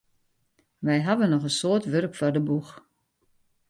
Wy hawwe noch in soad wurk foar de boech.